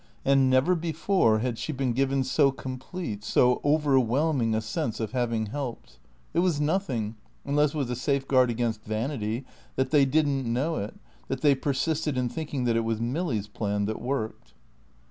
And never before had she been given so complete, so overwhelming a sense of having helped. It was nothing unless it was a safeguard against vanity that they didn't know it, that they persisted in thinking that it was Milly's plan that worked.